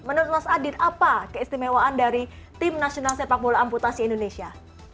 menurut mas adit apa keistimewaan dari tim nasional sepak bola amputasi indonesia